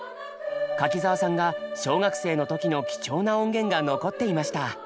柿澤さんが小学生の時の貴重な音源が残っていました。